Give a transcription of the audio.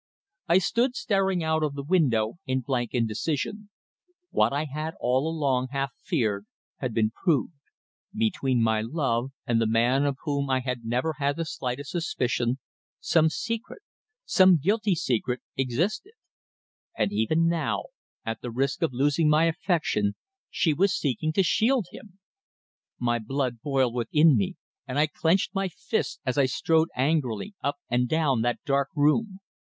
I stood staring out of the window in blank indecision. What I had all along half feared had been proved. Between my love and the man of whom I had never had the slightest suspicion, some secret some guilty secret existed. And even now, even at risk of losing my affection, she was seeking to shield him! My blood boiled within me, and I clenched my fists as I strode angrily up and down that dark room.